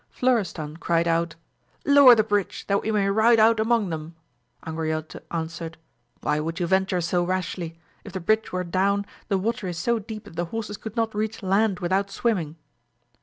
Florestan cried out, lower the bridge, that we may ride out among them ! Angriote answered. Why would you venture so rashly 1 if the bridge were down, the water is so deep that the horses could not reach land with out swimming.